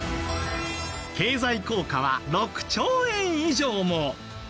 経済効果は６兆円以上も！